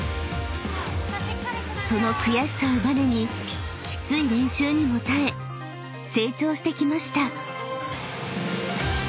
［その悔しさをばねにきつい練習にも耐え成長してきました］